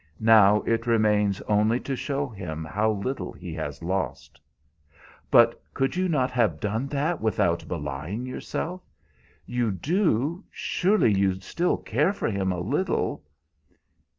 Now it remains only to show him how little he has lost." "But could you not have done that without belying yourself? You do surely you still care for him a little?"